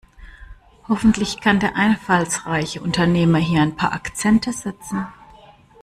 Hoffentlich kann der einfallsreiche Unternehmer hier ein paar Akzente setzen.